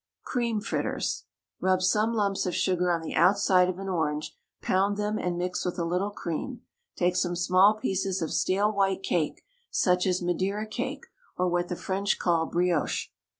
CREAM FRITTERS. Rub some lumps of sugar on the outside of an orange, pound them, and mix with a little cream; take some small pieces of stale white cake, such as Madeira cake or what the French call brioche.